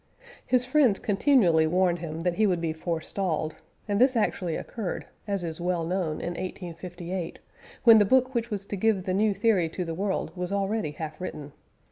His friends continually warned him that he would be forestalled, and this actually occurred, as is well known, in 1858, when the book which was to give the new theory to the world was already half written.